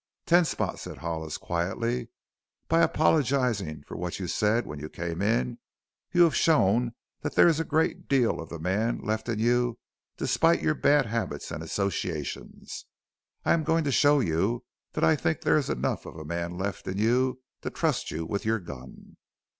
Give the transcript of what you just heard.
"Ten Spot," said Hollis quietly, "by apologizing for what you said when you came in you have shown that there is a great deal of the man left in you despite your bad habits and associations. I am going to show you that I think there is enough of the man left in you to trust you with your gun."